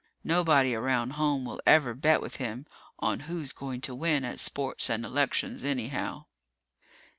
Nobody around home will ever bet with him on who's going to win at sports and elections, anyhow.